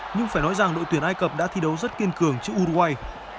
nhưng phải nói rằng đội tuyển ai cập đã thi đấu rất kiên cường chữ uruguay